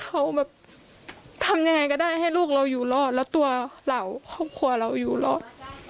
เขาแบบทำยังไงก็ได้ให้ลูกเราอยู่รอดแล้วตัวเราครอบครัวเราอยู่รอด